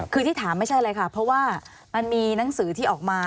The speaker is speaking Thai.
คือที่ถามไม่ใช่เลยค่ะเพราะว่ามันมีหนังสือที่ออกมา